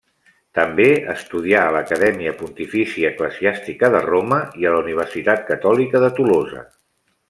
També estudià a l'Acadèmia Pontifícia Eclesiàstica de Roma i a la Universitat Catòlica de Tolosa.